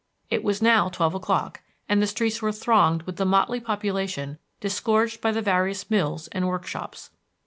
It was now twelve o'clock, and the streets were thronged with the motley population disgorged by the various mills and workshops.